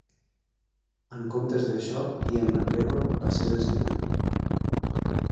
En comptes d'això, Ian MacGregor va ser designat.